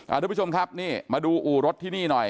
ังคุณพบประชุมคับนี่มาดูอู่รถที่นี่หน่อย